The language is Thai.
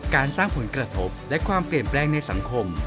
การสร้างผลกระทบและความเปลี่ยนแปลงในสังคม